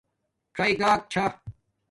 ژِی گاگ چھݳ